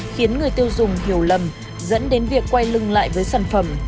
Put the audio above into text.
khiến người tiêu dùng hiểu lầm dẫn đến việc quay lưng lại với sản phẩm